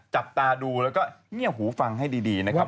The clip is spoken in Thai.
จับตาดูแล้วก็เงียบหูฟังให้ดีนะครับ